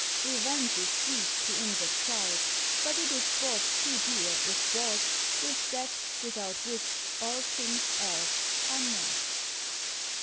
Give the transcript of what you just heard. Revenge is sweet to injured pride; But it is bought too dear, if bought With that without which all things else are nought.